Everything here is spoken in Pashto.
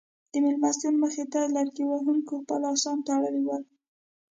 د مېلمستون مخې ته لرګي وهونکو خپل اسان تړلي ول.